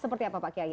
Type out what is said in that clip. seperti apa pak kiai